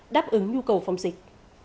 đáp ứng nhu cầu phòng dịch